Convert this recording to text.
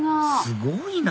すごいな！